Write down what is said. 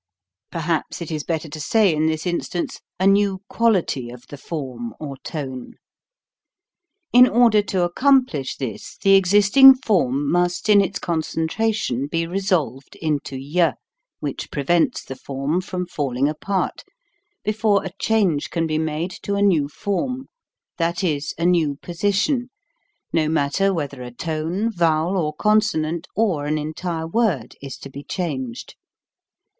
Perhaps it is better to say in this instance : a new quality of the form or tone. In order to accomplish this the existing form must in its concentration be resolved into y which prevents the form from falling apart before a change can be made to a new form, that is, a new position, no matter whether a tone, vowel, or consonant or an entire word is to be changed.